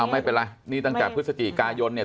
ไม่เป็นไรนี่ตั้งแต่พฤศจิกายนเนี่ย